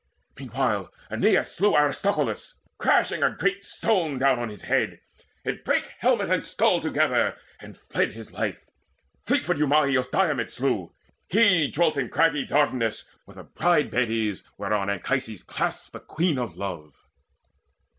Meanwhile Aeneas slew Aristolochus, Crashing a great stone down on his head: it brake Helmet and skull together, and fled his life. Fleetfoot Eumaeus Diomede slew; he dwelt In craggy Dardanus, where the bride bed is Whereon Anchises clasped the Queen of Love.